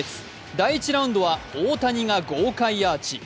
第１ラウンドは大谷が豪快アーチ。